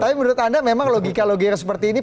tapi menurut anda memang logika logika seperti ini